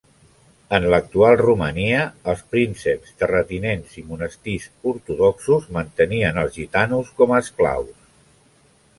En l'actual Romania, els prínceps, terratinents i monestirs ortodoxos mantenien als gitanos com a esclaus.